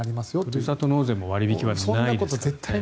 ふるさと納税も割引はないです。